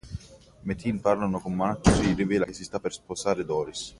Metin, parlando con Marcus, gli rivela che si sta per sposare con Doris.